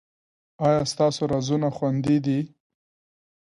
ایا ستاسو رازونه خوندي دي؟